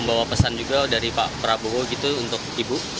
bawa pesan juga dari pak prabowo gitu untuk ibu